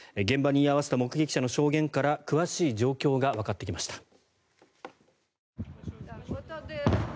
現場に居合わせた目撃者の証言から詳しい状況がわかってきました。